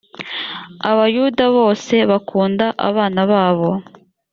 abayuda bose bakunda abana babo.